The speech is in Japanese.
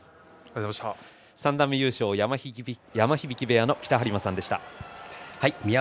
三段目優勝、山響部屋の北はり磨さんでした。